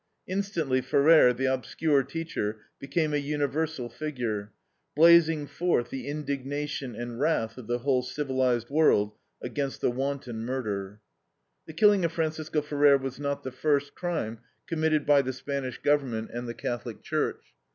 Instantly Ferrer, the obscure teacher, became a universal figure, blazing forth the indignation and wrath of the whole civilized world against the wanton murder. The killing of Francisco Ferrer was not the first crime committed by the Spanish government and the Catholic Church.